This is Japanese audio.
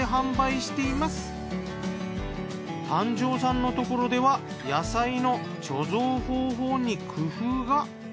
丹上さんのところでは野菜の貯蔵方法に工夫が。